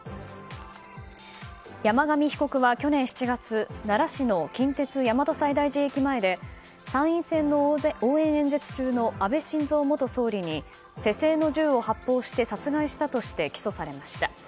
山上被告は去年７月奈良市の近鉄大和西大寺駅前で参院選の応援演説中の安倍晋三元総理に手製の銃を発砲して殺害したとして起訴されました。